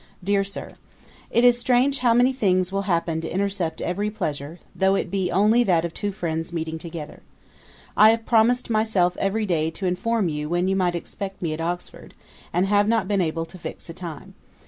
'DEAR SIR, 'It is strange how many things will happen to intercept every pleasure, though it [be] only that of two friends meeting together. I have promised myself every day to inform you when you might expect me at Oxford, and have not been able to fix a time.